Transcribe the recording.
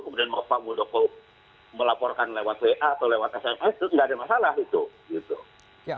kemudian pak modoko melaporkan lewat wa atau lewat sms itu tidak ada masalah